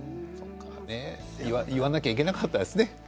言わなきゃいけなかったんですね。